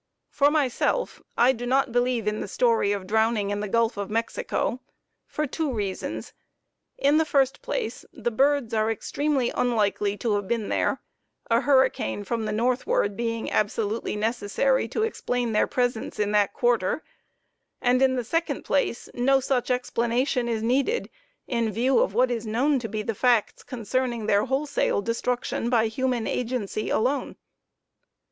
For myself, I do not believe in the story of drowning in the Gulf of Mexico for two reasons. In the first place the birds are extremely unlikely to have been there, a hurricane from the northward being absolutely necessary to explain their presence in that quarter, and, in the second place, no such explanation is needed in view of what is known to be the facts concerning their wholesale destruction by human agency alone.